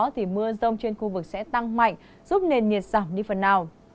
thì mưa rông trên khu vực sẽ tăng mạnh giúp nền nhiệt giảm đi phần nào